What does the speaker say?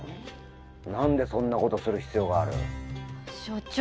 なんでそんなことする必要がある所長